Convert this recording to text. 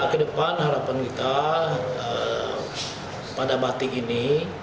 kedepan harapan kita pada batik ini